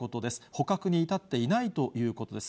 捕獲に至っていないということです。